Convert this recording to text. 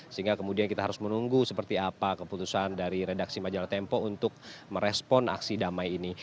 sehingga kemudian kita harus menunggu seperti apa keputusan dari redaksi majalah tempo untuk merespon aksi damai ini